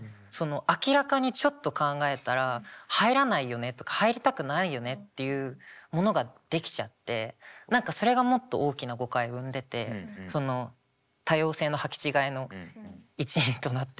明らかにちょっと考えたら入らないよねとか入りたくないよねっていうものが出来ちゃって何かそれがもっと大きな誤解を生んでてその多様性のはき違えの一因となってるっていうか。